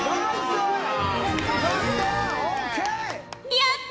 やった！